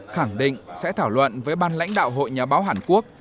khẳng định sẽ thảo luận với ban lãnh đạo hội nhà báo hàn quốc